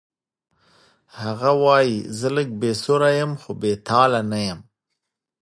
هغه وایی زه لږ بې سره یم خو بې تاله نه یم